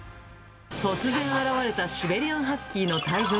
突然現れたシベリアンハスキーの大群。